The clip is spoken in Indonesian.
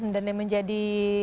dan yang menjadi